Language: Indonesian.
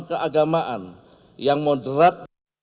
keagamaan yang moderat